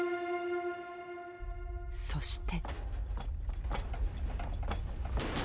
そして。